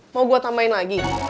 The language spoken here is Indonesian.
mau gue tambahin lagi